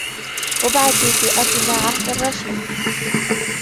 و ابعثي في أرضنا عهد الرشيد